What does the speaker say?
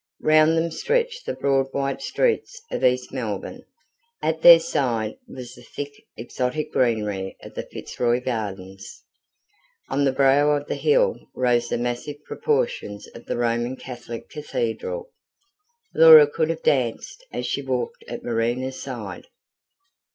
Round them stretched the broad white streets of East Melbourne; at their side was the thick, exotic greenery of the Fitzroy Gardens; on the brow of the hill rose the massive proportions of the Roman Catholic Cathedral. Laura could have danced, as she walked at Marina's side.